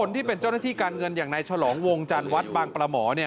ที่การเงินอย่างในฉลองวงจันทร์วัดบางประหมอ